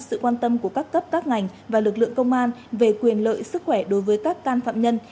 sự quan tâm của các cấp các ngành và lực lượng công an về quyền lợi sức khỏe đối với các can phạm nhân